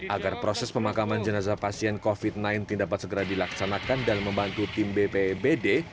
agar proses pemakaman jenazah pasien covid sembilan belas dapat segera dilaksanakan dan membantu tim bpbd